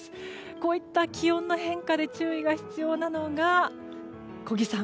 こういった気温の変化で注意が必要なのが小木さん、